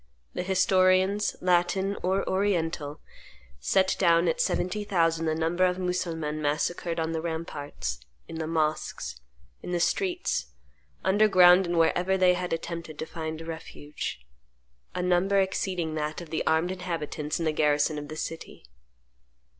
The historians, Latin or Oriental, set down at seventy thousand the number of Mussulmans massacred on the ramparts, in the mosques, in the streets, underground, and wherever they had attempted to find refuge: a number exceeding that of the armed inhabitants and the garrison of the city.